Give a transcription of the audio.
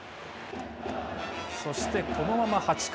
そしてこのまま８回。